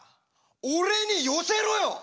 俺に寄せろよ！